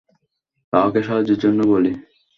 কাউকে সাহায্যের জন্য বলি!